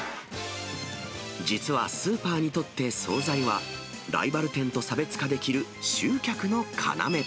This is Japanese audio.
実はスーパーにとって総菜は、ライバル店と差別化できる集客の要。